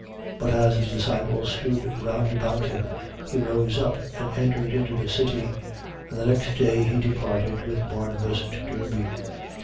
14:19. But as the disciples stood round about him, he rose up and entered into the city: and the next day he departed with Barnabas to Derbe.